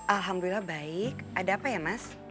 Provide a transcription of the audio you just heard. alhamdulillah baik ada apa ya mas